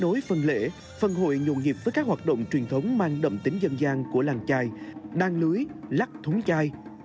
đối phần lễ phần hội nhuồn nghiệp với các hoạt động truyền thống mang đậm tính dân gian của làng chai đan lưới lắc thúng chai